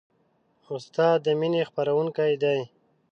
استاد د مینې خپروونکی دی.